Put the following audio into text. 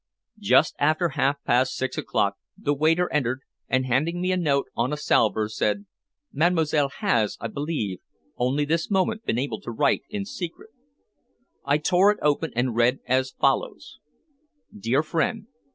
Just after half past six o'clock the waiter entered, and handing me a note on a salver, said "Mademoiselle has, I believe, only this moment been able to write in secret." I tore it open and read as follows: DEAR FRIEND.